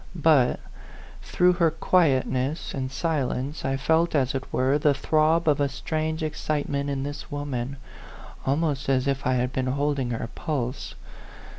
But, through her quietness and si lence, I felt, as it were, the throb of a strange excitement in this woman, almost as if I had been holding her pulse.